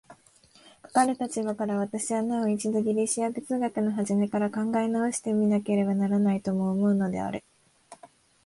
かかる立場から、私はなお一度ギリシヤ哲学の始から考え直して見なければならないとも思うのである。